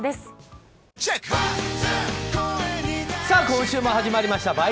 さあ、今週も始まりました。